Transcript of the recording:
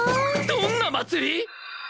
どんな祭り！？